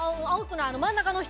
真ん中の人。